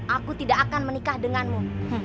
aku tidak akan menikah denganmu